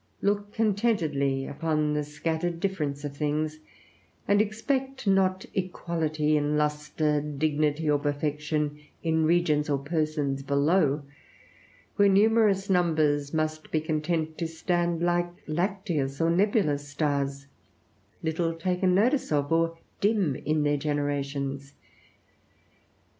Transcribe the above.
Look contentedly upon the scattered difference of things, and expect not equality in lustre, dignity, or perfection, in regions or persons below; where numerous numbers must be content to stand like lacteous or nebulous stars, little taken notice of, or dim in their generations.